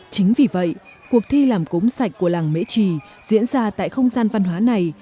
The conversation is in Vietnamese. chính vì vậy cuộc thi làm cốm sạch của làng mễ trì diễn ra tại không gian văn hóa này